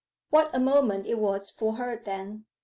What a moment it was for her then!